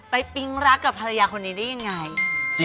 ปิ๊งรักกับภรรยาคนนี้ได้ยังไง